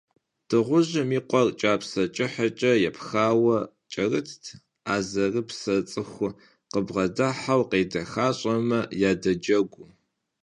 Дыгъужьым и къуэр кӀапсэ кӀыхькӀэ епхауэ кӀэрытт, арэзыпсрэ цӀыху къыбгъэдыхьэу къедэхащӀэхэм ядэджэгуу.